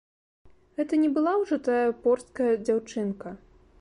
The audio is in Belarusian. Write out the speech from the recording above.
Гэта не была ўжо тая порсткая дзяўчынка.